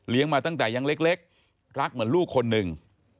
มาตั้งแต่ยังเล็กรักเหมือนลูกคนหนึ่ง